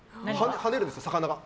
跳ねるんですよ、魚が。